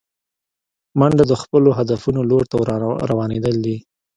منډه د خپلو هدفونو لور ته روانېدل دي